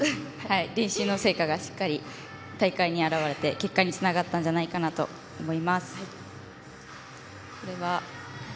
練習の成果がしっかり大会に表れて結果につながったんじゃないかなと思います。